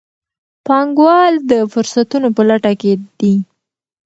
پانګوال د فرصتونو په لټه کې دي.